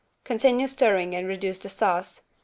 Continue stirring and reduce the sauce.